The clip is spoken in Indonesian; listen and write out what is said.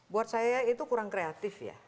buat saya itu kurang kreatif ya